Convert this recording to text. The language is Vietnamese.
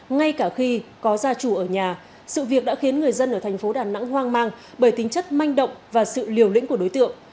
ngay cả khi có gia trù ở nhà sự việc đã khiến người dân ở thành phố đà nẵng hoang mang bởi tính chất manh động và sự liều lĩnh của đối tượng